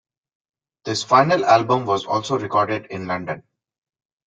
This final album was also recorded in London.